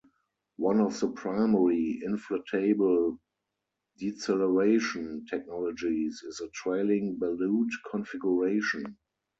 One of the primary inflatable deceleration technologies is a trailing ballute configuration.